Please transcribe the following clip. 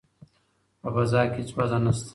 په فضا کې هیڅ وزن نشته.